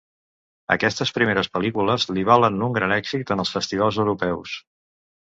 Aquestes primeres pel·lícules li valen un gran èxit en els festivals europeus.